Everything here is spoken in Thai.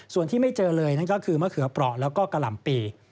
ส่วนที่ไม่เจอเลยนั่นก็คือมะเขือเปราะแล้วก็กะหล่ำปี